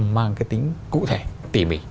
mang cái tính cụ thể tỉ mỉ